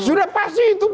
sudah pasti itu